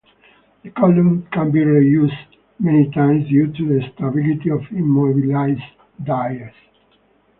The column can be reused many times due to the stability of immobilized dyes.